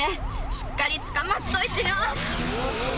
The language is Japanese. しっかりつかまっといてよ！